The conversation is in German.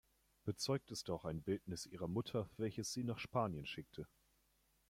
Bezeugt ist auch ein Bildnis ihrer Mutter, welches sie nach Spanien schickte.